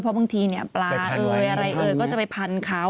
เพราะบางทีปลาอะไรก็จะไปพันเขา